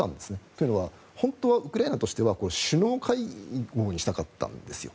というのは本当はウクライナとしては首脳会合にしたかったんですよ。